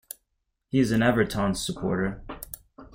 He is an Everton supporter.